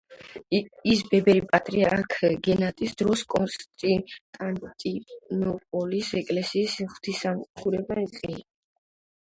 ის ბერები პატრიარქ გენადის დროს კონსტანტინოპოლის ეკლესიის ღვთისმსახურები იყვნენ.